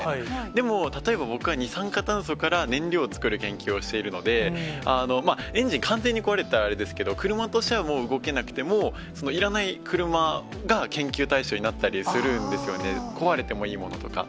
でも例えば、僕が二酸化炭素から燃料を作る研究をしているので、エンジン、完全に壊れてたらあれですけど、車としてはもう動けなくても、そのいらない車が研究対象になったりするんですよね、壊れてもいいものとか。